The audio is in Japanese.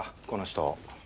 この人。